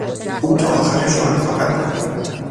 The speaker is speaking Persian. او تا آخر ژوئن خواهد ماند.